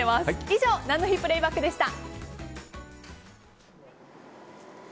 以上、何の日プレイバックでした。